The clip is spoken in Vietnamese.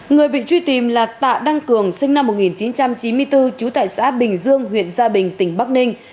người bị truy tìm là tạ đăng cường sinh năm một nghìn chín trăm chín mươi bốn trú tại xã bình dương huyện gia bình tỉnh bắc ninh